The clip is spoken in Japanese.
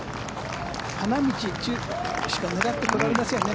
花道しか狙ってこられませんね。